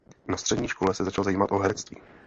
Na střední škole se začal zajímat o herectví.